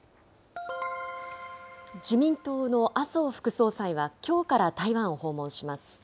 自民党の麻生副総裁はきょうから台湾を訪問します。